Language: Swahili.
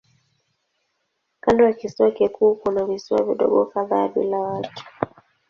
Kando ya kisiwa kikuu kuna visiwa vidogo kadhaa bila watu.